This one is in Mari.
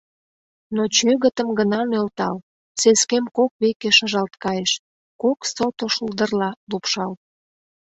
Но чӧгытым гына нӧлтал — сескем кок веке шыжалт кайыш, кок сото шулдырла лупшалт.